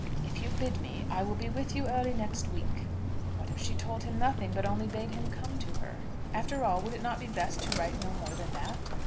"If you bid me, I will be with you early next week." What if she told him nothing, but only bade him come to her? After all, would it not be best to write no more than that?